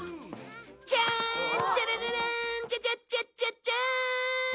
「チャーンチャラララーン」「チャチャッチャッチャッチャーン！」